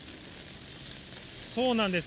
そうなんです。